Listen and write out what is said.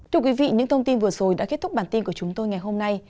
thưa quý vị những thông tin vừa rồi đã kết thúc bản tin của chúng tôi ngày hôm nay